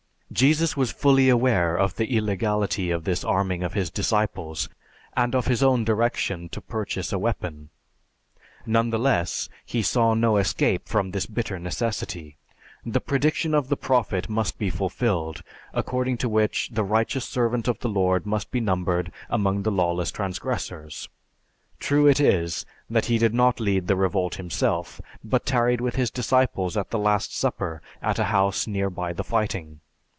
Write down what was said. Jesus was fully aware of the illegality of this arming of his disciples and of his own direction to purchase a weapon; none the less, he saw no escape from this bitter necessity. The prediction of the prophet must be fulfilled, according to which the righteous servant of the Lord must be numbered among the lawless transgressors. True it is that he did not lead the revolt himself, but tarried with his disciples at the Last Supper at a house near by the fighting.